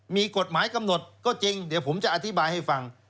มีกฎหมายกำหนดก็จริงเดี๋ยวผมจะอธิบายให้ฟัง